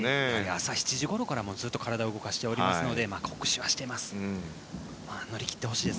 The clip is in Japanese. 朝７時ごろから体を動かしているので酷使はしています。